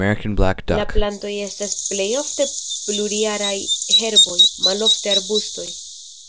La plantoj estas plej ofte plurjaraj herboj, malofte arbustoj.